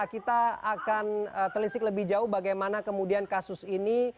kita akan telisik lebih jauh bagaimana kemudian kasus ini